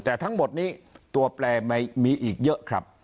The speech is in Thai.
แต่ทั้งหมดนี้ตัวแปลมีอีกเยอะครับ